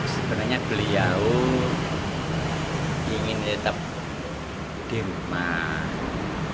sebenarnya beliau ingin tetap di rumah